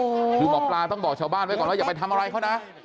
คือหมอปลาต้องบอกชาวบ้านไว้ก่อนว่าอย่าไปทำอะไรเขานะ